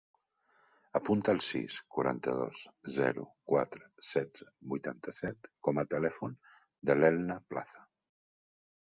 Apunta el sis, quaranta-dos, zero, quatre, setze, vuitanta-set com a telèfon de l'Elna Plaza.